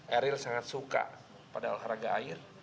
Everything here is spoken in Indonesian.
eril sangat suka pada olahraga air